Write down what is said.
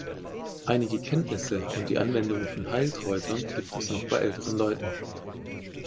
Einige Kenntnisse und die Anwendung von Heilkräutern gibt es noch bei älteren Leuten.